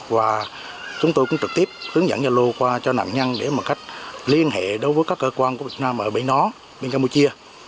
và chúng tôi cũng trực tiếp hướng dẫn gia lô qua cho nạn nhân để một cách liên hệ đối với các cơ quan của việt nam ở bên nó bên campuchia